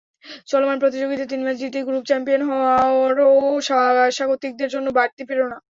চলমান প্রতিযোগিতায় তিন ম্যাচ জিতেই গ্রুপ চ্যাম্পিয়ন হওয়ারও স্বাগতিকদের জন্য বাড়তি প্রেরণা।